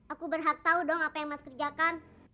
aku berhak tahu dong apa yang mas kerjakan